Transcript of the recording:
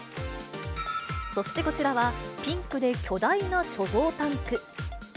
そしてこちらは、ピンクで巨大な貯蔵タンク。